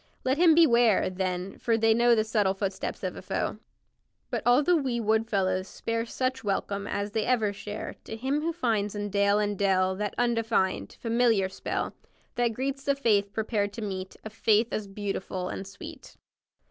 Let him beware, then, for they know The subtle footsteps of a foe. But all the wee wood fellows spare Such welcome as they ever share To him who finds in dale and dell That undefined, familiar spell That greets the faith prepared to meet A faith as beautiful and sweet.